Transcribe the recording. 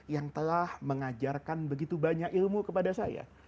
yang telah mengajarkan begitu banyak ilmu kepada saya